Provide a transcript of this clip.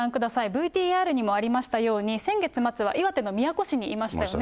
ＶＴＲにもありましたように、先月末は岩手の宮古市にいましたよね。